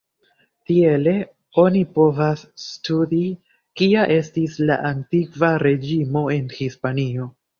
Tiele oni povas studi kia estis la Antikva Reĝimo en Hispanio.